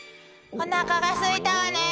おなかがすいたわね。